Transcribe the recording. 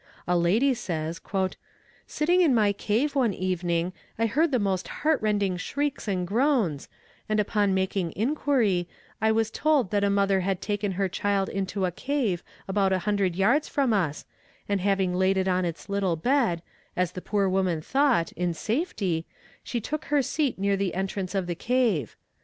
A lady says: "Sitting in my cave, one evening, I heard the most heart rending shrieks and groans, and upon making inquiry, I was told that a mother had taken her child into a cave about a hundred yards from us, and having laid it on its little bed, as the poor woman thought, in safety, she took her seat near the entrance of the cave.